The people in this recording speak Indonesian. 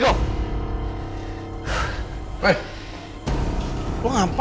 kau bisa mengerti